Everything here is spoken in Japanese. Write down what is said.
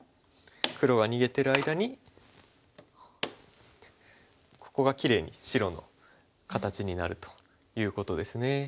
黒が逃げてる間にここがきれいに白の形になるということですね。